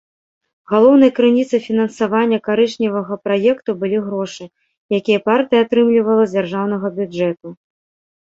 Галоўнай крыніцай фінансавання карычневага праекту былі грошы, якія партыя атрымлівала з дзяржаўнага бюджэту.